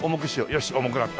よし重くなった。